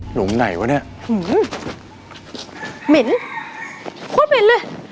หนุ่มไหนวะเนี้ยอืมเหม็นโคตรเหม็นเลย